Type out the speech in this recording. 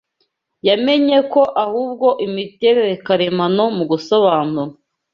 yamenye ko ahubwo imiterere karemano mu gusobanura